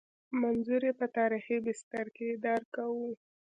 منظور یې په تاریخي بستر کې درک کوو.